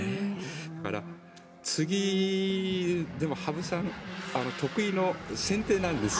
だから次、でも、羽生さん得意の先手なんですよ。